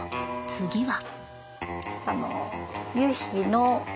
次は。